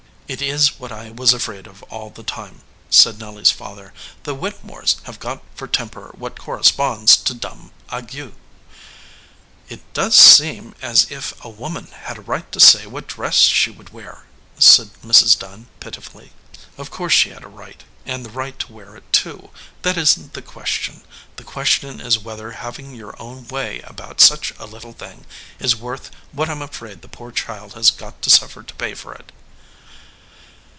"It is what I was afraid of all the time," said 198 SOUR SWEETINGS Nelly s father. "The Whittemores have got for temper what corresponds to dumb ague." "It does seem as if a woman had a right to say what dress she would wear," said Mrs. Dunn, piti fully. "Of course she had a right, and the right to wear it, too. That isn t the question. The question is whether having your own way about such a little thing is worth what I m afraid the poor child has got to suffer to pay for it."